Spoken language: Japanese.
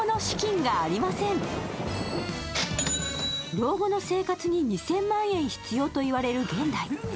老後の生活に２０００万円必要と言われる現代。